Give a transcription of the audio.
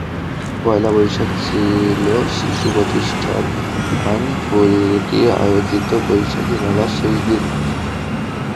পয়লা বৈশাখ ছিল শিশু শিক্ষাপ্রতিষ্ঠান ফুলকি আয়োজিত বৈশাখী মেলার শেষ দিন।